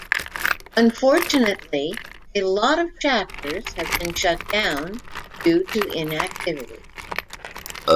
Unfortunately, a lot of chapters have been shut down due to inactivity.